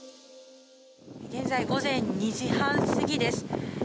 現在午前２時半過ぎです。